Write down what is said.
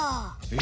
え？